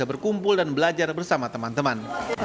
berkumpul dan belajar bersama teman teman